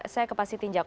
saya kepasih tinjak